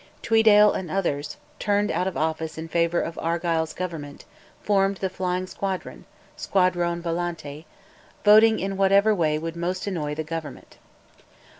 Tweeddale and others, turned out of office in favour of Argyll's Government, formed the Flying Squadron (Squadrone volante), voting in whatever way would most annoy the Government.